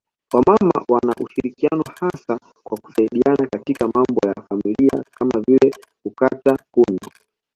Wamama wana ushirikiano hasa kwa kusaidiana katika mambo ya familia kama vile kukata kuni